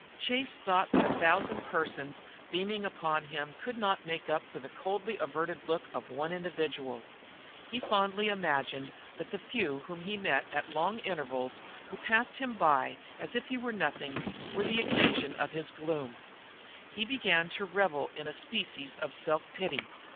Chase thought that a thousand persons beaming upon him could not make up for the coldly averted look of one individual. He fondly imagined that the few whom he met at long intervals, who passed him by as if he were nothing, were the occasion of his gloom. He began to revel in a species of self pity.